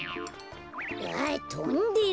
あっとんでる。